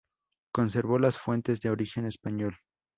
Conservó las fuentes de origen español.